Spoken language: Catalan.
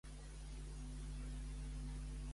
Quan notava el seu orgull tocat?